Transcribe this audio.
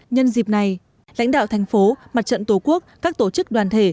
nhân dịp này lãnh đạo thành phố mặt trận tổ quốc các tổ chức đoàn thể